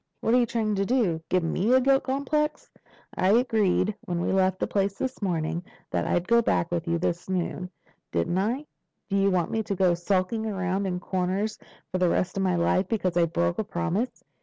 "What are you trying to do? Give me a guilt complex? I agreed when we left that place this morning that I'd go back with you this noon, didn't I? Do you want me to go skulking around in corners for the rest of my life because I broke a promise?"